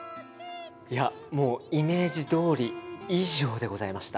いやもうイメージどおり以上でございました。